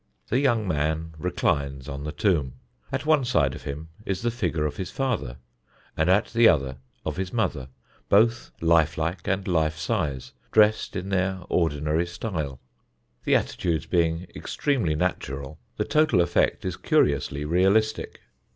The young man reclines on the tomb; at one side of him is the figure of his father, and at the other, of his mother, both life like and life size, dressed in their ordinary style. The attitudes being extremely natural the total effect is curiously realistic.